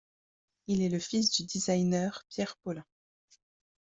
Il est le fils du designer Pierre Paulin.